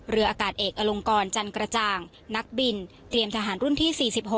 อากาศเอกอลงกรจันกระจ่างนักบินเตรียมทหารรุ่นที่๔๖